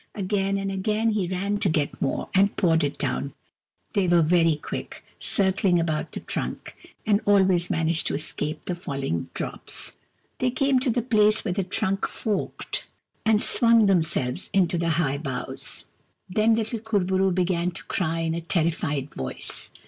Again and again he ran to get more, and poured it down ; they were very quick, circling about the trunk, and always man aged to escape the falling drops. They came to the place where the trunk forked, and swung themselves into the high boughs. KUR BO ROO, THE BEAR 227 Then little Kur bo roo began to cry in a terri fied voice.